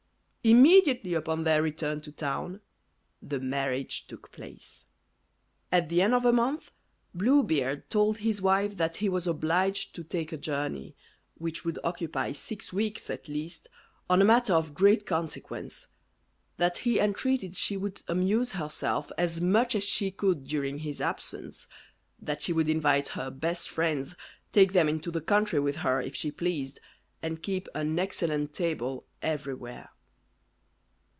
Immediately upon their return to town the marriage took place. At the end of a month Blue Beard told his wife that he was obliged to take a journey, which would occupy six weeks at least, on a matter of great consequence; that he entreated she would amuse herself as much as she could during his absence; that she would invite her best friends, take them into the country with her if she pleased, and keep an excellent table everywhere.